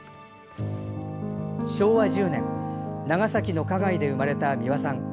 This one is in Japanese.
昭和１０年長崎の花街で生まれた美輪さん。